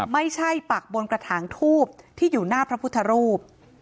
ปักบนกระถางทูบที่อยู่หน้าพระพุทธรูป